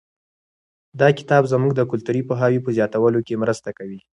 دا کتاب زموږ د کلتوري پوهاوي په زیاتولو کې مرسته کوي.